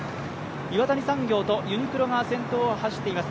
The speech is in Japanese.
岩谷産業とユニクロが先頭を走っています。